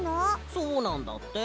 そうなんだって。